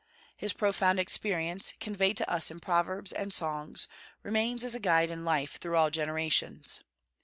His profound experience, conveyed to us in proverbs and songs, remains as a guide in life through all generations.